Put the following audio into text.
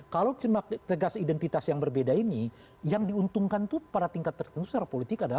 kalau tegas identitas yang berbeda ini yang diuntungkan itu pada tingkat tertentu secara politik adalah